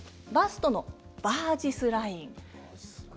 バストのバージスライン。